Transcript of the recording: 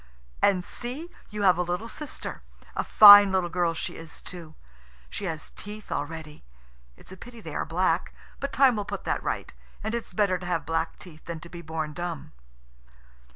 And see, you have a little sister; a fine little girl she is too. She has teeth already. It's a pity they are black, but time will put that right, and it's better to have black teeth than to be born dumb."